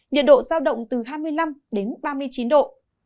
nhiệt độ giao động từ hai mươi năm đến ba mươi chín độ